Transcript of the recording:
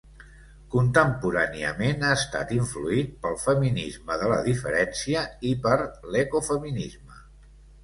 Contemporàniament ha estat influït pel feminisme de la diferència i per l'ecofeminisme.